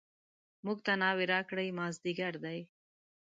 موږ ته ناوې راکړئ مازدیګر دی.